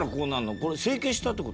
これ整形したって事？